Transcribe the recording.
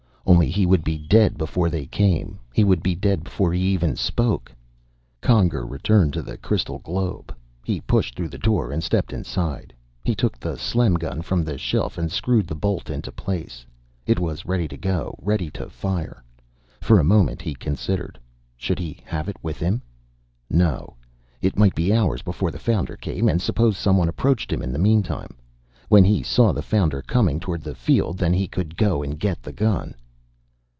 Only he would be dead before they came. He would be dead before he even spoke. Conger returned to the crystal globe. He pushed through the door and stepped inside. He took the Slem gun from the shelf and screwed the bolt into place. It was ready to go, ready to fire. For a moment he considered. Should he have it with him? No. It might be hours before the Founder came, and suppose someone approached him in the meantime? When he saw the Founder coming toward the field, then he could go and get the gun.